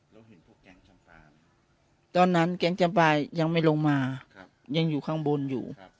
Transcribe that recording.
แล้วเห็นพวกแกงจำปลายตอนนั้นแกงจำปลายยังไม่ลงมาครับยังอยู่ข้างบนอยู่ครับ